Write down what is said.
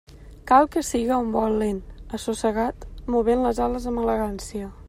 Cal que siga un vol lent, assossegat, movent les ales amb elegància.